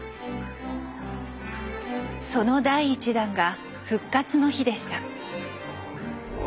その第１弾が「復活の日」でした。